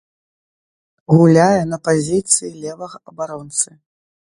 Гуляе на пазіцыі левага абаронцы.